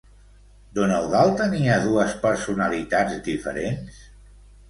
Don Eudald tenia dues personalitats diferents?